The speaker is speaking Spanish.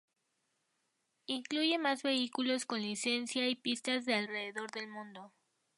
Incluye más vehículos con licencia y pistas de alrededor del mundo.